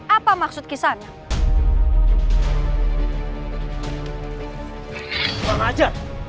apa maksud kisah anak